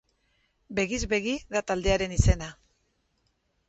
Begiz begi da taldearen izena.